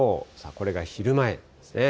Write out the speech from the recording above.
これが昼前ですね。